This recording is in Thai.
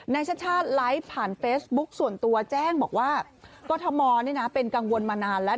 ชาติชาติไลฟ์ผ่านเฟซบุ๊คส่วนตัวแจ้งบอกว่ากรทมเป็นกังวลมานานแล้ว